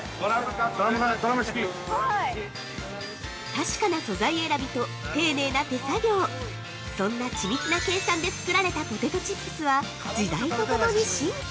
◆確かな素材選びと丁寧な手作業、そんな、緻密な計算で作られたポテトチップスは時代とともに進化！